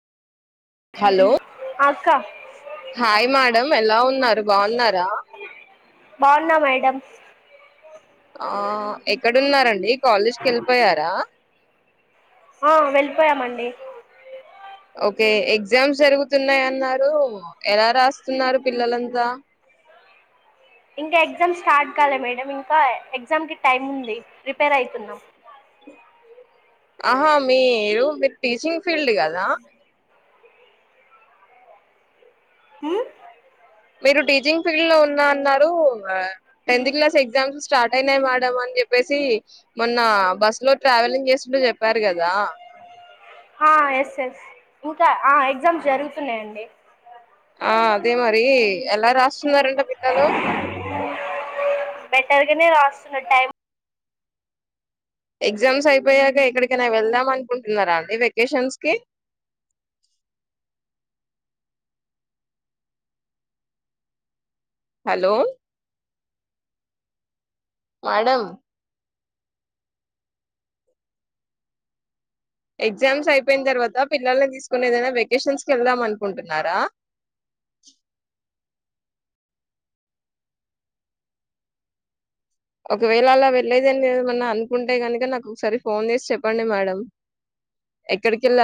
hello అక్క hi madam ఎలా ఉన్నారు బావున్నారా బావున్నా మేడం ఆ ఎక్కడున్నారండి కాలేజ్కి వెళ్ళిపోయారా ఆ వెళ్ళిపోయామండి ఓకే ఎగ్జామ్స్ జరుగుతున్నాయన్నారు ఎలా రాస్తున్నారు పిల్లలంతా ఇంకా ఎగ్జామ్ స్టార్ట్ కాలే మేడమ్ ఇంకా ఎగ్జామ్ కి టైమ్ ఉంది ప్రిపేర్ అయితున్నాం ఆహా మీరు మీరు టీచింగ్ ఫీల్డ్ కాదా ఉమ్ మీరు టీచింగ్ ఫీల్డ్ లో ఉన్న అన్నారు ఆ టెన్త్ క్లాస్ ఎగ్జామ్స్ స్టార్ట్ అయినాయి మేడం అని అని చెప్పేసి మొన్న బస్ లో ట్రావెలింగ్ చేస్తుంటే చెప్పారు కదా ఆ ఎస్ ఎస్ ఇంకా ఆ ఎగ్జామ్స్ జరుగుతున్నాయండి ఆ అదే మరి ఎలా రాస్తున్నారంట పిల్లలు బెటర్ గానే రాస్తున్న టైమ్ ఎగ్జామ్స్ అయిపోయాక ఎక్కడికైనా వెళ్దాం అనుకుంటున్నారా అండి వెకేషన్స్ కి హలో మేడం ఎగ్జామ్స్ అయిపోయిన తర్వాత పిల్లల్ని తీసుకుని ఏదైనా వెకేషన్స్ కి వెళ్దాం అనుకుంటున్నారా ఒకవేళ అలా వెళ్లేదని ఏమన్నా అనుకుంటే కనుక నాకు ఒకసారి ఫోన్ చేసి చెప్పండి మేడం ఎక్కడకి వెళ్ల